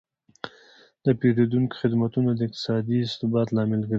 د پیرودونکو خدمتونه د اقتصادي ثبات لامل ګرځي.